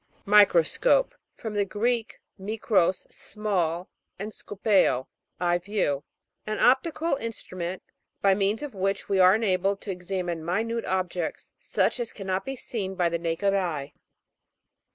MI'CROSCOPE. From the Greek, mikros, small, and skoped, I view. An optical instrument, by means of which we are enabled to ex amine minute objects, such as cannot be seen by the naked eye.